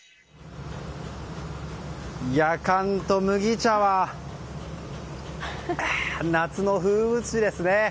やかんと麦茶は夏の風物詩ですね！